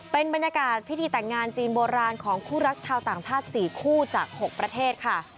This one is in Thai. เป็นบรรยากาศพิธีแต่งงานจีนโบราณของคู่รักชาวต่างชาติ๔คู่จาก๖ประเทศค่ะ